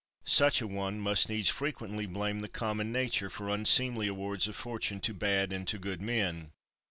Such a one must needs frequently blame the common nature for unseemly awards of fortune to bad and to good men.